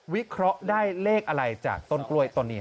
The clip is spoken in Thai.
เคราะห์ได้เลขอะไรจากต้นกล้วยต้นนี้